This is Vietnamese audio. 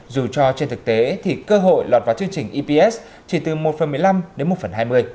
dù cho trên thực tế thì cơ hội lọt vào chương trình eps chỉ từ một phần một mươi năm đến một phần hai mươi